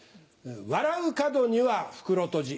笑う門には袋とじ。